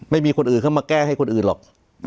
ไม่มีคนอื่นเข้ามาแก้ให้คนอื่นหรอก